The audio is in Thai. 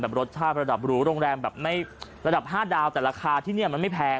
รสชาติระดับหรูโรงแรมแบบไม่ระดับ๕ดาวแต่ราคาที่นี่มันไม่แพง